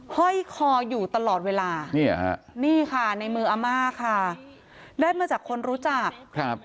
ห้อยคออยู่ตลอดเวลาเนี่ยฮะนี่ค่ะในมืออาม่าค่ะได้มาจากคนรู้จักครับ